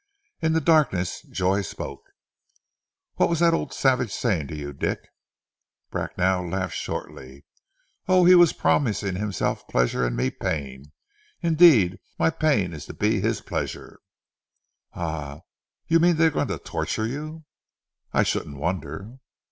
In the darkness, Joy spoke. "What was that old savage saying to you, Dick?" Bracknell laughed shortly. "Oh, he was promising himself pleasure and me pain, indeed my pain was to be his pleasure." "Ah! You mean they are going to torture you?" "I shouldn't wonder!"